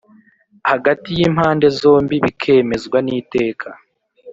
hagati y impande zombi bikemezwa n Iteka